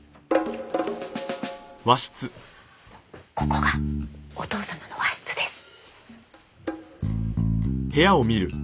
ここがお父様の和室です。